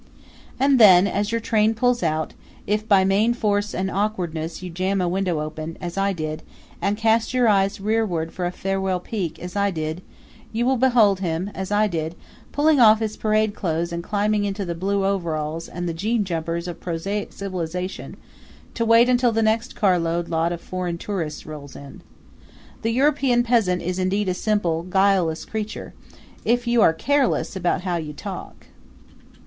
And then as your train pulls out, if by main force and awkwardness you jam a window open, as I did, and cast your eyes rearward for a farewell peek, as I did, you will behold him, as I did, pulling off his parade clothes and climbing into the blue overalls and the jean jumpers of prosaic civilization, to wait until the next carload lot of foreign tourists rolls in. The European peasant is indeed a simple, guileless creature if you are careless about how you talk.